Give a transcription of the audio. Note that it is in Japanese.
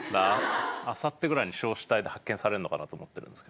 あさってぐらいに焼死体で発見されんのかなと思ってるんですけど。